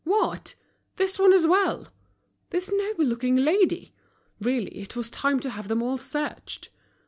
What! this one as well! this noble looking lady! Really it was time to have them all searched!